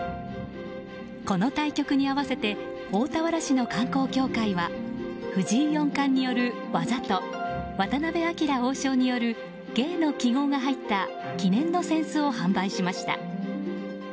この対局に合わせて大田原市の観光協会は藤井四冠による「技」と渡辺明王将による「芸」の揮ごうが入った記念の扇子を販売しました。